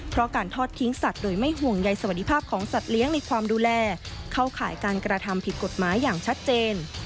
เพราะการทอดทิ้งสัตว์โดยไม่ห่วงใยสวัสดิภาพของสัตว์เลี้ยงในความดูแลเข้าข่ายการกระทำผิดกฎหมายอย่างชัดเจน